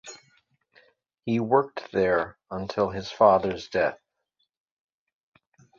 He worked there until his father's death.